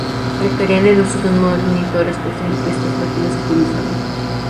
Requerían el uso de un monitor especial que estas máquinas utilizaban.